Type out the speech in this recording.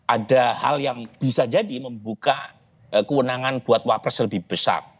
ada hal yang bisa jadi membuka kewenangan buat wapres lebih besar